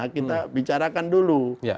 kita bicarakan dulu